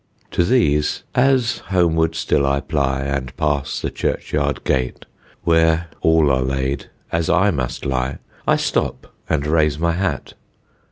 To these, as homeward still I ply, And pass the churchyard gate, Where all are laid as I must lie, I stop and raise my hat.